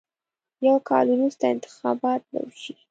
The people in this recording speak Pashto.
یو کال وروسته انتخابات به وشي.